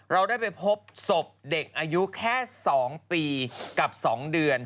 เราได้ไปพบศพเด็กอายุแค่๒ปีกับ๒เดือน